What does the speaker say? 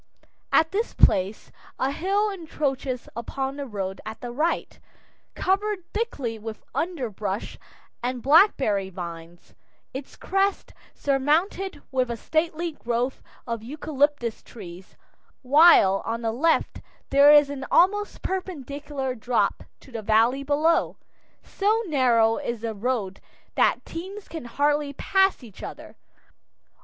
At this place a hill encroaches upon the road at the right, covered thickly with underbrush and blackberry vines, its crest surmounted with a stately grove of eucalyptus trees, while on the left there is an almost perpendicular drop to the valley below. So narrow is the road that teams can hardly pass each other.